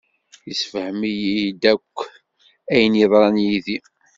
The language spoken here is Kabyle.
Yessefhem-iyi-d akk ayen yeḍran yid-i.